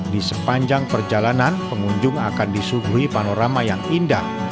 di sepanjang perjalanan pengunjung akan disuguhi panorama yang indah